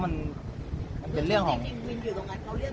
พี่พอแล้วพี่พอแล้ว